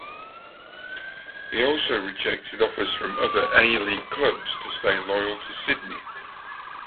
He also rejected offers from other A-League clubs to stay loyal to Sydney.